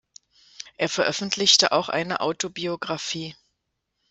Er veröffentlichte auch eine Autobiographie.